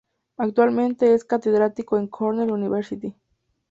Actualmente es catedrático en Cornell University.